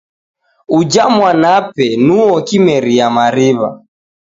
Uja mwanape nuo kimeria mariw'a.